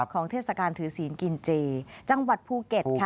เทศกาลถือศีลกินเจจังหวัดภูเก็ตค่ะ